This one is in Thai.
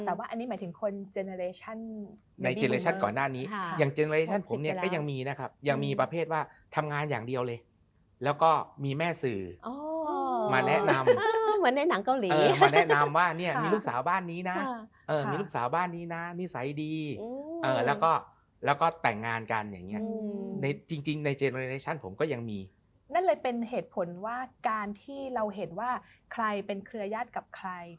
แต่ว่าอันนี้หมายถึงคนเจเนอเรชั่นในเจเนอเรชั่นก่อนหน้านี้อย่างเจเนอเรชั่นผมเนี่ยก็ยังมีนะครับยังมีประเภทว่าทำงานอย่างเดียวเลยแล้วก็มีแม่สื่อมาแนะนำเหมือนในหนังเกาหลีเออมาแนะนำว่าเนี่ยมีลูกสาวบ้านนี้น่ะเออมีลูกสาวบ้านนี้น่ะนิสัยดีเออแล้วก็แล้วก็แต่งงานกันอย่างเงี้ยในจริงจริงใ